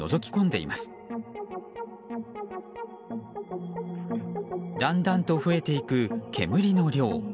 だんだんと増えていく煙の量。